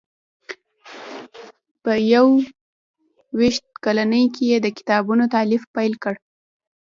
په یو ویشت کلنۍ کې یې د کتابونو تالیف پیل کړ.